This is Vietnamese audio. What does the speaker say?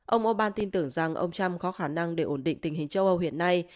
ông orbán tin tưởng rằng ông trump có khả năng để ổn định tình hình châu âu hiện nay